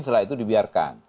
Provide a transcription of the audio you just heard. setelah itu dibiarkan